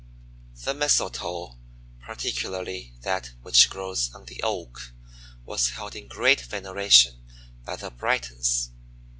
The Mistletoe, particularly that which grows on the Oak, was held in great veneration by the Britons.